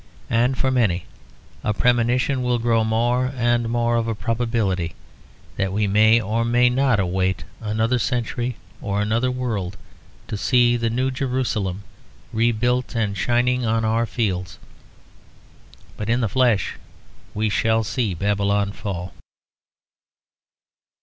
And for many a premonition will grow more and more of a probability; that we may or may not await another century or another world to see the New Jerusalem rebuilt and shining on our fields; but in the flesh we shall see Babylon fall.